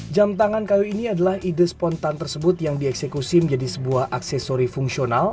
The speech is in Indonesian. jam tangan kayu ini adalah ide spontan tersebut yang dieksekusi menjadi sebuah aksesori fungsional